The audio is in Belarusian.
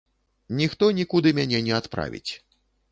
Ніхто нікуды мяне не адправіць.